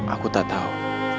aku tak tahu